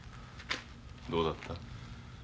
どうだった？